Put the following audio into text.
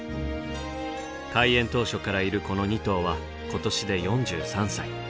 開園当初からいるこの２頭は今年で４３歳。